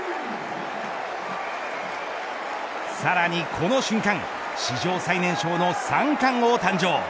さらにこの瞬間史上最年少の三冠王誕生。